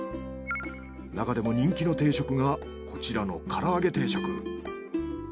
なかでも人気の定食がこちらの唐揚げ定食。